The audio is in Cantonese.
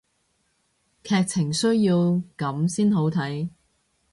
劇情需要噉先好睇